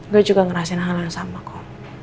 gue juga ngerasain hal yang sama kok